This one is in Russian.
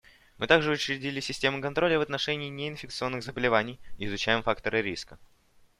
Мы также учредили системы контроля в отношении неинфекционных заболеваний и изучаем факторы риска.